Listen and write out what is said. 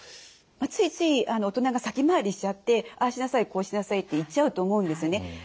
ついつい大人が先回りしちゃってああしなさいこうしなさいって言っちゃうと思うんですよね。